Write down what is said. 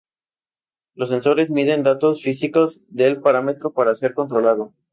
Los sensores miden datos físicos del parámetro para ser controlado.